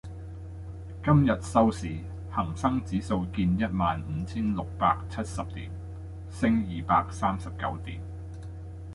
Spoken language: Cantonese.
今日收市，恒生指數見一萬五千六百七十點，升二百三十九點